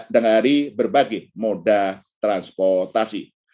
dan berbagai moda transportasi